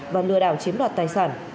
và lừa đảo chiếm đoạt tài sản